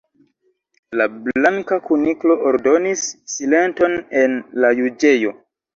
La Blanka Kuniklo ordonis: "Silenton en la juĝejo."